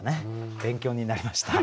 勉強になりました。